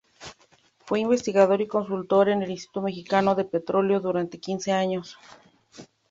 Fue investigador y consultor en el Instituto Mexicano del Petróleo durante quince años.